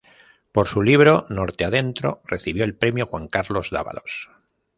Por su libro "Norte adentro" recibió el premio Juan Carlos Dávalos.